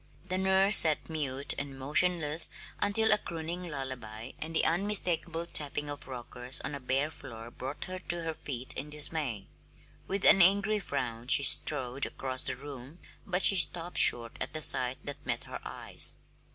The nurse sat mute and motionless until a crooning lullaby and the unmistakable tapping of rockers on a bare floor brought her to her feet in dismay. With an angry frown she strode across the room, but she stopped short at the sight that met her eyes.